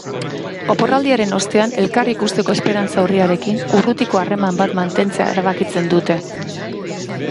Oporraldiaren ostean elkar ikusteko esperantza urriarekin, urrutiko harreman bat mantentzea erabakitzen dute.